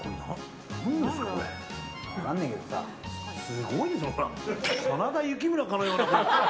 すごいですよ真田幸村かのような。